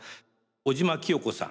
小島希世子さん